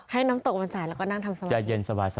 ให้น้ำตกมันแสนแล้วก็นั่งทำสบาย